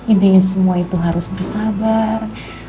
ide semua itu harus bersabar